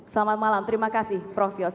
selamat malam terima kasih prof yos